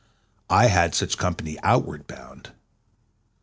I had such company outward bound.